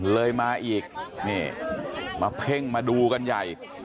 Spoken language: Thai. เลยมาอีกนี่มาเพ่งมาดูกันใหญ่